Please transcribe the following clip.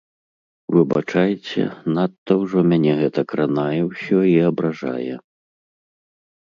Выбачайце, надта ўжо мяне гэта кранае ўсё і абражае.